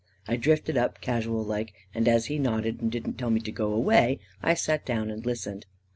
I drifted up, casual like, and as he nodded and didn't tell me to go away, I sat down and listened.